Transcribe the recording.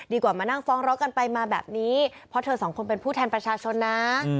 มานั่งฟ้องร้องกันไปมาแบบนี้เพราะเธอสองคนเป็นผู้แทนประชาชนนะ